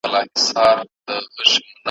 هر منزل ته چه رسیږي، منزل بل دئ